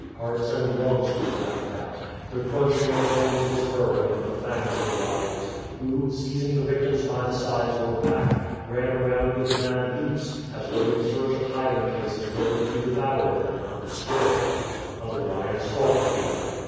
Hearts and lungs were dragged out. The crunching of bones was heard under the fangs of the lions, who, seizing the victims by the sides or back, ran around with mad leaps, as though in search of hiding places wherein to devour them undisturi>cd. Other lions fought together.